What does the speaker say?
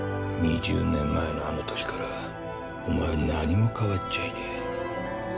２０年前のあのときからお前何も変わっちゃいねえ